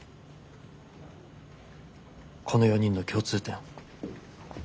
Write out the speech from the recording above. この４人の共通点。